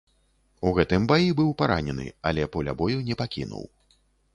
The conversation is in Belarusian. У гэтым баі быў паранены, але поля бою не пакінуў.